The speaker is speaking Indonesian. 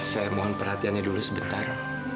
saya mohon perhatiannya dulu sebentar